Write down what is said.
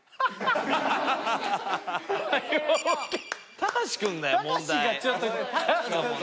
たかしくんだよ問題。